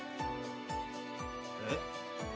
えっ？